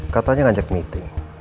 katanya ngajak meeting